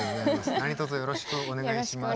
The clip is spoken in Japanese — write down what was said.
何とぞよろしくお願いします。